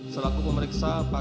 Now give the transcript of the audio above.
empat selaku pemeriksa